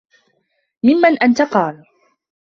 مِمَّنْ أَنْتَ ؟ قَالَ